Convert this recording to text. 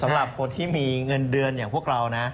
สำหรับคนที่มีเงินเดือนอย่างพวกเรานะ